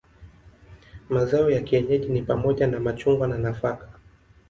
Mazao ya kienyeji ni pamoja na machungwa na nafaka.